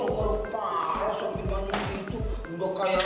kalau kalau parah sopi banyak kayak gitu udah kayak